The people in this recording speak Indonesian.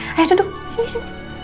eh ayo duduk sini sini